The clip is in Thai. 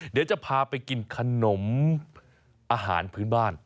เดี๋ยวจะพาไปกินขนมอาหารพื้นบ้าน